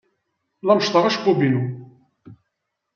La meccḍeɣ acebbub-inu.